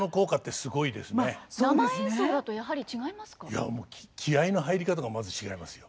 いやもう気合いの入り方がまず違いますよ。